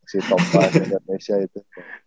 si topan indonesia itu